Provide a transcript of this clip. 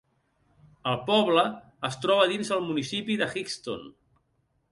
El poble es troba dins del municipi de Hixton.